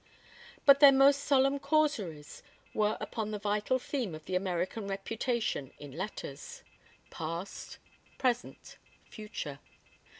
But their most solemn causeries were upon the vital theme of The American Reputation in Letters. Past. Present. Future.